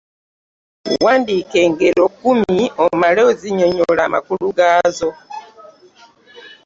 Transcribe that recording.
Wandiika engero kkumi omale ozinyonyole amakulu gaazo.